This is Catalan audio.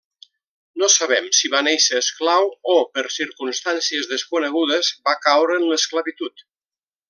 No sabem si va néixer esclau, o per circumstàncies desconegudes va caure en l'esclavitud.